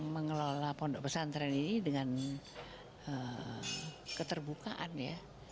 mengelola pondok pesantren ini dengan keterbukaan ya